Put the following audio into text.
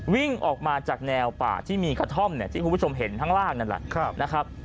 วิ่งออกมาจากแนวป่าที่มีกระท่อมเนี่ยที่คุณผู้ชมเห็นข้างล่างนั่นแหละนะครับ